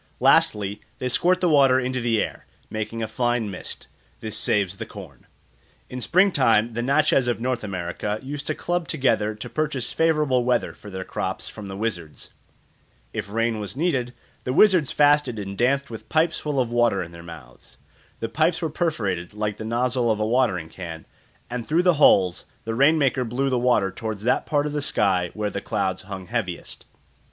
Lastly, they squirt the water into the air, making a fine mist. This saves the corn. In spring time the Natchez of North America used to club together to purchase favourable weather for their crops from the wizards. If rain was needed, the wizards fasted and danced with pipes full of water in their mouths. The pipes were perforated like the nozzle of a watering can, and through the holes the rain maker blew the water towards that part of the sky where the clouds hung heaviest.